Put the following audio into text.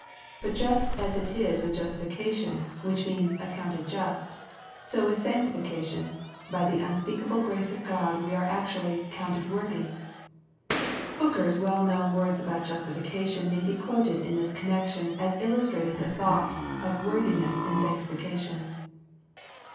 But just as it is with justification, which means " accounted just," so with sanctification — by the un speakable grace of God we are actually " counted worthy.'' Hooker's well knovm words about justification may be quoted in this connection as illustrating the thought of worthiness in sanctification.